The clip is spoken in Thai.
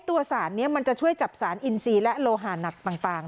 ตัวสารนี้มันจะช่วยจับสารอินซีและโลหะนักต่าง